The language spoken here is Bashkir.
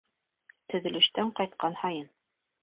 Төҙөлөштән ҡайтҡан һайын: